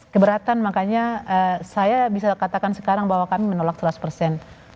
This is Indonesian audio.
keberatan makanya saya bisa katakan sekarang bahwa kami menolak seratus persen